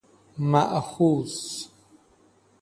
مأخوذ